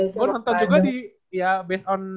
gue nonton juga di ya based on